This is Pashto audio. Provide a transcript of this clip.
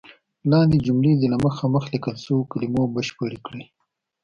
لاندې جملې دې له مخامخ لیکل شوو کلمو بشپړې کړئ.